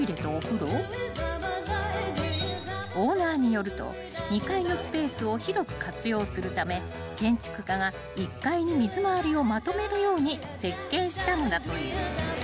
［オーナーによると２階のスペースを広く活用するため建築家が１階に水回りをまとめるように設計したのだという］